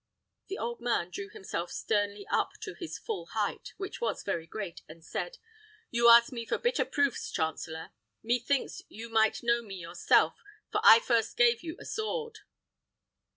The old man drew himself sternly up to his full height, which was very great, and said, "You ask me for bitter proofs, chancellor. Methinks you might know me yourself, for I first gave you a sword."